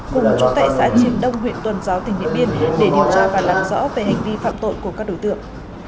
cùng chú tại xã triền đông huyện tuần giáo tỉnh điện biên để điều tra và làm rõ về hành vi phạm tội của các đối tượng